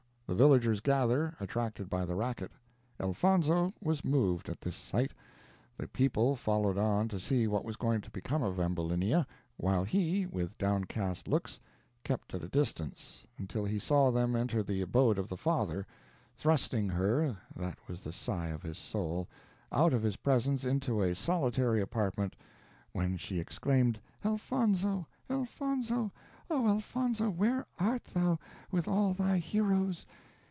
The villagers gather, attracted by the racket. Elfonzo was moved at this sight. The people followed on to see what was going to become of Ambulinia, while he, with downcast looks, kept at a distance, until he saw them enter the abode of the father, thrusting her, that was the sigh of his soul, out of his presence into a solitary apartment, when she exclaimed, "Elfonzo! Elfonzo! oh, Elfonzo! where art thou, with all thy heroes?